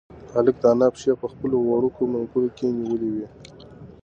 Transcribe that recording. هلک د انا پښې په خپلو وړوکو منگولو کې نیولې وې.